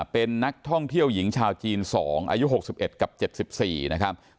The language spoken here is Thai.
เป็นนักท่องเที่ยวหญิงชาวจีน๒อายุ๖๑กับ๗๔นะครับ